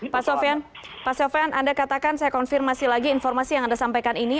pak sofian pak sofyan anda katakan saya konfirmasi lagi informasi yang anda sampaikan ini